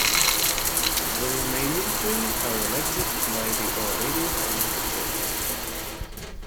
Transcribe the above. The remaining three are elected by the already elected judges.